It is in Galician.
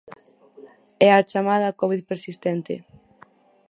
É a chamada covid persistente.